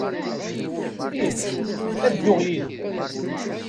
Ih, ad dduɣ yid-m.